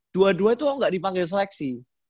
dua dua itu kok gak dipanggil seleksi